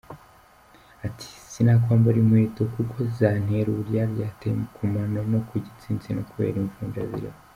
Ati: “sinakwambara inkweto kuko zantera uburyaryate ku mano no ku gitsisimo kubera imvunja ziriho”.